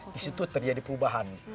di situ terjadi perubahan